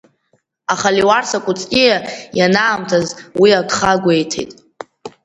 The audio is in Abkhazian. Аха Леуарса Кәыҵниа ианаамҭаз уи агха гәеиҭеит.